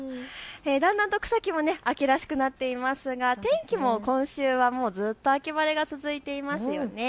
だんだんと草木も秋らしくなっていますが、天気も今週はずっと秋晴れが続いていますよね。